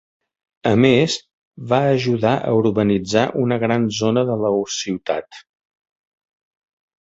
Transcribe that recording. A més, va ajudar a urbanitzar una gran zona de la ciutat.